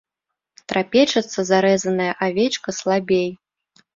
Трапечацца зарэзаная авечка слабей.